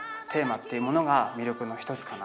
っていうものが魅力の一つかな